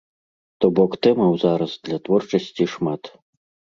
То бок тэмаў зараз для творчасці шмат.